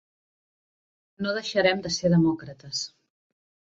No deixarem de ser demòcrates.